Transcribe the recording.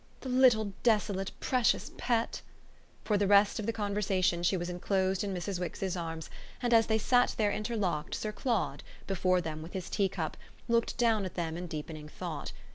"The little desolate precious pet!" For the rest of the conversation she was enclosed in Mrs. Wix's arms, and as they sat there interlocked Sir Claude, before them with his tea cup, looked down at them in deepening thought.